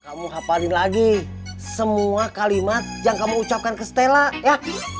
kamu hafalin lagi semua kalimat yang kamu ucapkan ke stella ya